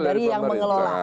dari yang mengelola